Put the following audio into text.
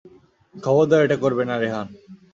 খবরদার এটা করবে না, রেহান!